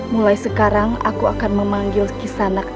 mulai sekarang aku akan memanggil kisanak